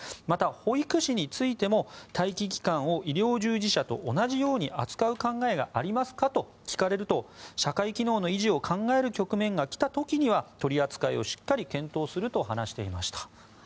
また、保育士についても待機期間を医療従事者と同じように扱う考えがありますかと聞かれると社会機能の維持を考える局面が来た時には取り扱いをしっかり検討すると話していました。